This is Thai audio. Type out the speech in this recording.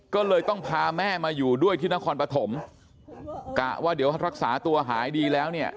ก็เลยต้องพาแม่มาอยู่ด้วยที่นครปฐมกะว่าเดี๋ยวรักษาตัวหายดีแล้วเนี่ย